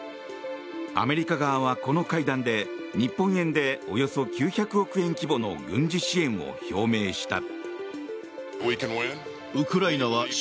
アメリカ側はこの会談で日本円でおよそ９００億円規模の軍事支援を表明した。